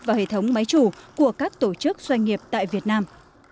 và hệ thống máy chủ của các tổ chức doanh nghiệp tại việt nam